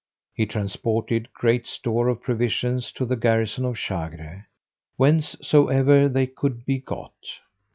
He transported great store of provisions to the garrison of Chagre, whencesoever they could be got.